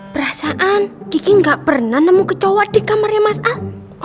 perasaan kiki nggak pernah nemu kecoak di kamarnya mas al